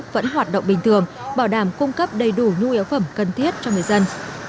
vẫn hoạt động bình thường bảo đảm cung cấp đầy đủ nhu yếu phẩm cần thiết cho người dân